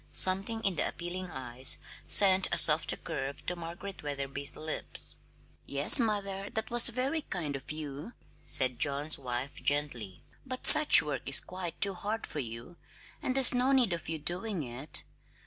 Something in the appealing eyes sent a softer curve to Margaret Wetherby's lips. "Yes, mother; that was very kind of you," said John's wife gently. "But such work is quite too hard for you, and there's no need of your doing it.